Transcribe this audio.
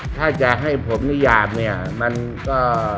ถ้าจะให้ผมนิยามมันก็